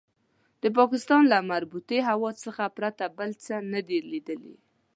د پاکستان له مرطوبې هوا څخه پرته بل څه نه دي لیدلي.